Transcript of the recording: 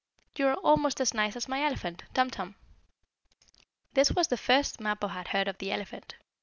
You are almost as nice as my elephant, Tum Tum." This was the first Mappo had heard of the elephant.